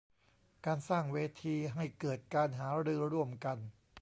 การสร้างเวทีให้เกิดการหารือร่วมกัน